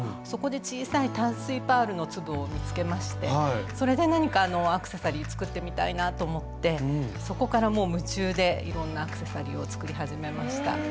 そこで小さい淡水パールの粒を見つけましてそれで何かアクセサリー作ってみたいなと思ってそこからもう夢中でいろんなアクセサリーを作り始めました。